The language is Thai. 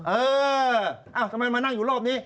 เออทำไมมานั่งอยู่รอบนี้